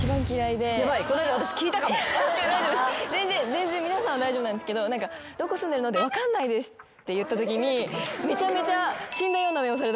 全然皆さんは大丈夫なんですけど「どこ住んでるの？」で。って言ったときにめちゃめちゃ。